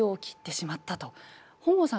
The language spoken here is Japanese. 本郷さん